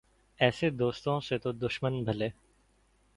ایسے دوستو سے تو دشمن بھلے